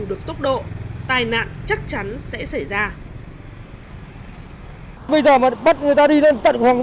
được tốc độ